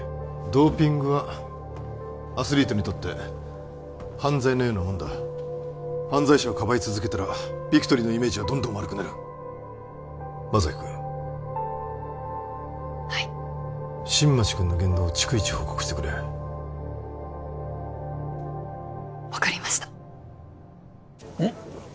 ドーピングはアスリートにとって犯罪のようなもんだ犯罪者をかばい続けたらビクトリーのイメージはどんどん悪くなる真崎君はい新町君の言動を逐一報告してくれ分かりましたうん？